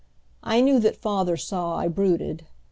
I knew that father saw I brooded.